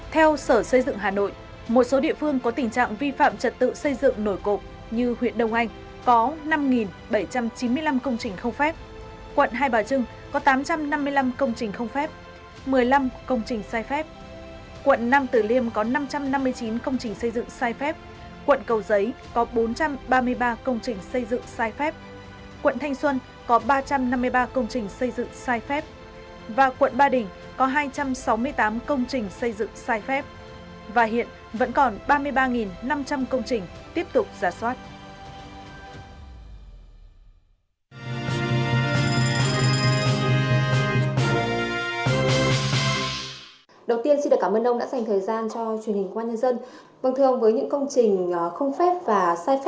theo sở xây dựng hà nội một số địa phương có tình trạng vi phạm trật tự xây dựng nổi cộng như huyện đông anh có năm bảy trăm chín mươi năm công trình không phép